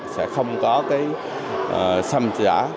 sẽ không có xâm giả